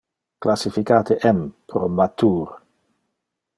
Classificate M pro matur.